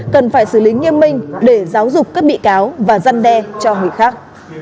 cần phải xử lý nghiêm minh để giáo dục các bị cáo và giăn đe cho người khác